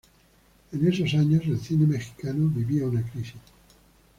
En esos años el cine mexicano vivía una crisis.